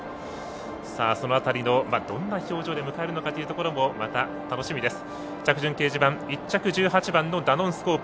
その辺りのどんな表情で迎えるのかというところもまた楽しみです。